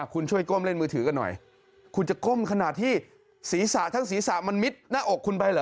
คุณจะก้มขนาดที่ศีรษะทั้งศีรษะมันมิดหน้าอกคุณไปเหรอ